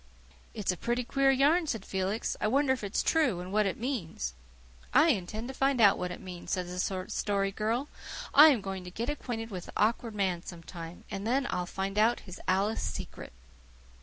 "It's a pretty queer yarn," said Felix. "I wonder if it is true and what it means." "I intend to find out what it means," said the Story Girl. "I am going to get acquainted with the Awkward Man sometime, and then I'll find out his Alice secret."